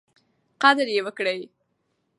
قدر یې وکړئ.